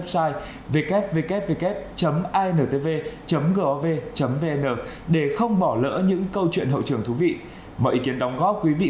xin kính chào và hẹn gặp lại